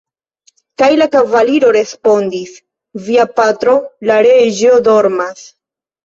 Kaj la kavaliro respondis: "Via patro, la reĝo, dormas.